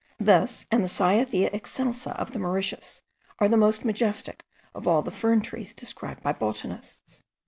This and the Cyathea excelsa of the Mauritius, are the most majestic of all the fern trees described by botanists.